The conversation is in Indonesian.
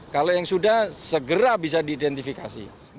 kalau yang sudah segera bisa diidentifikasi